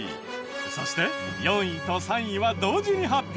そして４位と３位は同時に発表。